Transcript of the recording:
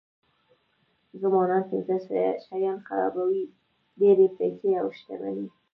ځوانان پنځه شیان خرابوي ډېرې پیسې او شتمني.